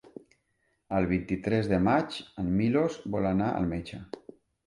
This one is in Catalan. El vint-i-tres de maig en Milos vol anar al metge.